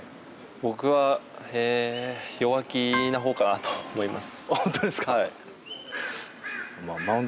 僕は、弱気なほうかなと思います。